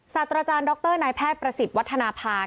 ศาสตราจารย์ดรนายแพทย์ประสิทธิ์วัฒนภา